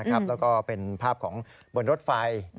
แล้วก็เป็นภาพของบนรถไฟ